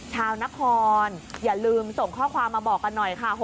ชาวนครอย่าลืมส่งข้อความมาบอกกันหน่อยค่ะ